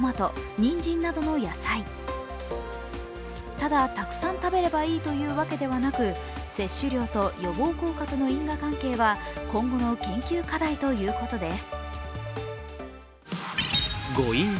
ただ、たくさん食べればいいというわけではなく摂取量と予防効果との因果関係は今後の研究課題ということです。